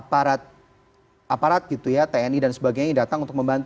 saya melihat waktu itu belum ada aparat aparat gitu ya tni dan sebagainya datang untuk melihat